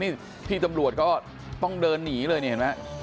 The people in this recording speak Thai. นี่พี่ตำรวจก็ต้องเดินหนีเลยนี่เห็นไหม